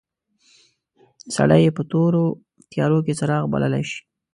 سړی یې په تورو تیارو کې څراغ بللای شي.